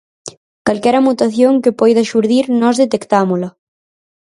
Calquera mutación que poida xurdir nós detectámola.